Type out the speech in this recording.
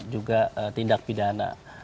juga tindak pidana